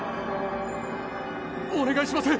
お願いします！